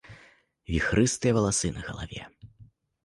Віхрыстыя валасы на галаве.